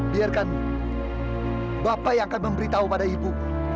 biarkan bapak yang akan memberitahu pada ibu